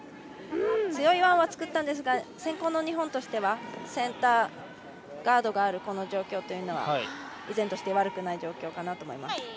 強いワンは作ったんですが先攻の日本としてはセンターガードがあるこの状況というのは依然として悪くない状況だと思います。